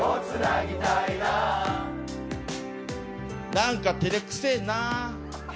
なんか照れくせぇな。